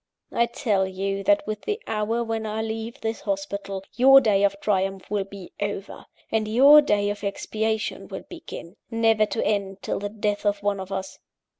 I tell you, that with the hour when I leave this hospital your day of triumph will be over, and your day of expiation will begin never to end till the death of one of us.